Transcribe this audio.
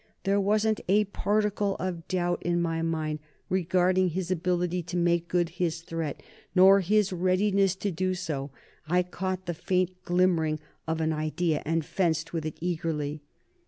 There wasn't a particle of doubt in my mind regarding his ability to make good his threat, nor his readiness to do so. I caught the faint glimmering of an idea and fenced with it eagerly.